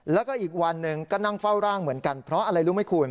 แล้วก็อีกวันหนึ่งก็นั่งเฝ้าร่างเหมือนกันเพราะอะไรรู้ไหมคุณ